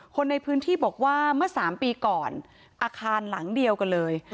คนในพื้นที่บอกว่าเมื่อ๓ปีก่อนอาคารหลังเดียวกันเลย